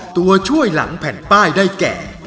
ตัวช่วยหลังแผ่นป้ายได้แก่